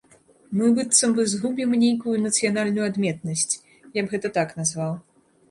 Мы быццам бы згубім нейкую нацыянальную адметнасць, я б гэта так назваў.